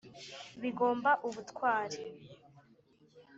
bigomba ubutwari !